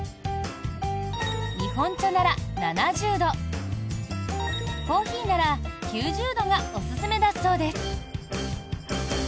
日本茶なら７０度コーヒーなら９０度がおすすめだそうです。